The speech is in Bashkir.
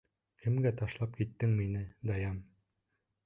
Кемгә ташлап киттең мине, Даян?